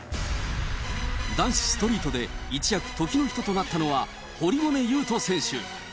男子ストリートで、一躍、時の人となったのは、堀米雄斗選手。